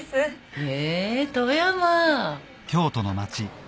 へえ富山。